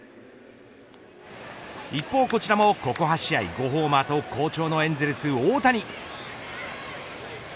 一方、こちらも、ここ８試合５ホーマーと好調のエンゼルス大谷。